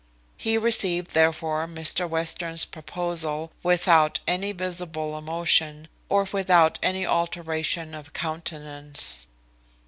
He received, therefore, Mr Western's proposal without any visible emotion, or without any alteration of countenance.